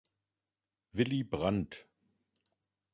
Willi Brandt